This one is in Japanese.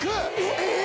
えっ！